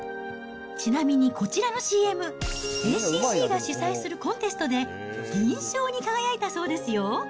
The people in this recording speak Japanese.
ちなみに、こちらのＣＭ、ＡＣＣが主催するコンテストで、銀賞に輝いたそうですよ。